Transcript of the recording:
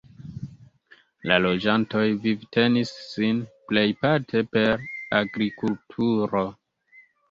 La loĝantoj vivtenis sin plejparte per agrikulturo.